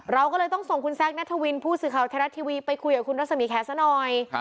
เราก็เลยต้องส่งคุณแซคนัทวินผู้สื่อข่าวไทยรัฐทีวีไปคุยกับคุณรัศมีแขซะหน่อย